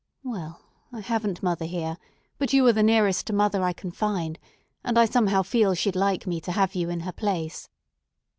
Well, I haven't mother here; but you are the nearest to mother I can find, and I somehow feel she'd like me to have you in her place.